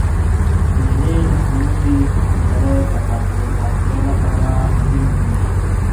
مېلې د ټولنیزي همکارۍ د پراختیا له پاره مهمي دي.